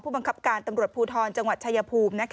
บังคับการตำรวจภูทรจังหวัดชายภูมิ